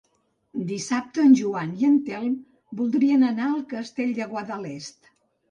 Dissabte en Joan i en Telm voldrien anar al Castell de Guadalest.